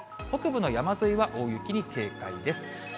北部の山沿いは大雪に警戒です。